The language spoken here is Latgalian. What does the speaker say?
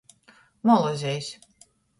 Molozejs.